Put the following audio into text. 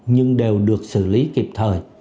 nhưng đều được xử lý kịp thời